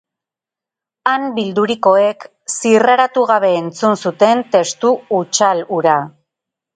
Han bildurikoek zirraratu gabe entzun zuten testu hutsal hura.